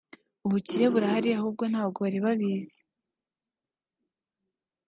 ubukire burahari ahubwo ntabwo bari babizi